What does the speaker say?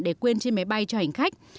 để quên trên máy bay cho hành khách